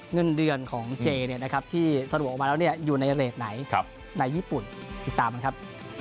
เงินเดือนของเจที่สะดวกออกมาแล้วอยู่ในเรทไหนในญี่ปุ่นติดตามกันครับ